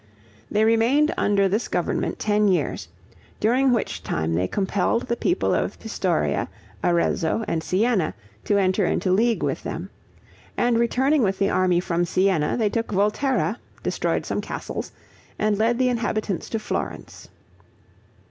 They remained under the this government ten years, during which time they compelled the people of Pistoria, Arezzo, and Sienna, to enter into league with them; and returning with the army from Sienna, they took Volterra, destroyed some castles, and led the inhabitants to Florence.